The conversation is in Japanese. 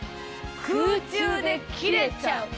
空中で切れちゃう！